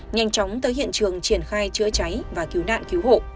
nhanh chóng tới hiện trường triển khai chữa cháy và cứu nạn cứu hộ